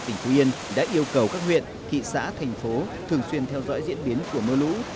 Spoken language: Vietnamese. tỉnh phú yên đã yêu cầu các huyện thị xã thành phố thường xuyên theo dõi diễn biến của mưa lũ